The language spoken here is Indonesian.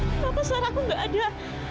kenapa suaraku tidak ada